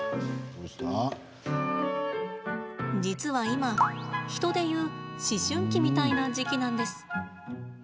実は今、人でいう思春期みたいな時期なんです。